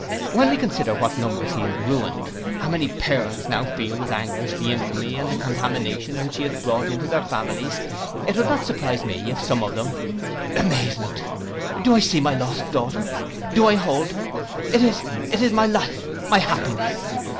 When we consider what numbers he has ruined, how many parents now feel with anguish the infamy and the contamination which he has brought into their families, it would not surprise me if some one of them—Amazement! Do I see my lost daughter! Do I hold her! It is, it is my life, my happiness.